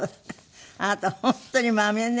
あなた本当にマメね